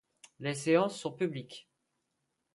Les séances sont publiques.